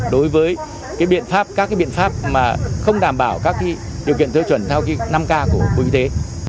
đối với các biện pháp mà không đảm bảo các điều kiện tư chuẩn theo năm k của quân y tế